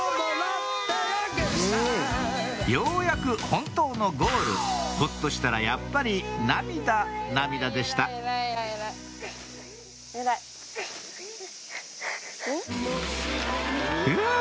ようやく本当のゴールほっとしたらやっぱり涙涙でしたうわ！